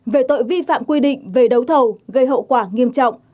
về tội vi phạm quy định về đấu thầu gây hậu quả nghiêm trọng